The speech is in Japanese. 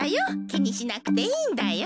きにしなくていいんだよ。